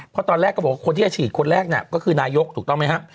เพราะตอนแรกก็บอกว่าคนที่จะฉีดคนแรกน่ะก็คือนายกถูกต้องไหมครับ